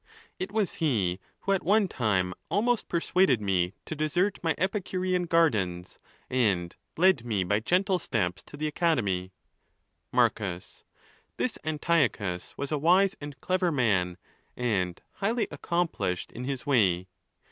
It was he who at one time almost 'persuaded me to desert my Epicurean gardens, and led me by gentle steps to the Academy. 7 Marcus.— This Antiochus was a wise and clever man, and highly accomplished in his way.